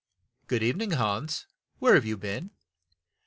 "Good eve ning, Hans. Where have you been